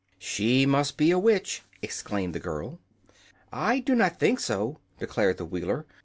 "She must be a witch," exclaimed the girl. "I do not think so," declared the Wheeler.